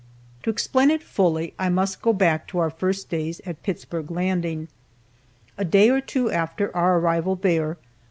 To explain it fully, I must go back to our first days at Pittsburg Landing. A day or two after our arrival there, Lt.